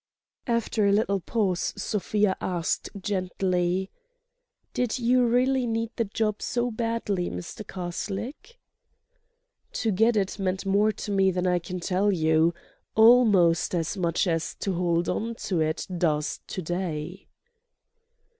After a little pause Sofia asked gently: "Did you really need the job so badly, Mr. Karslake?" "To get it meant more to me than I can tell you—almost as much as to hold on to it does to day."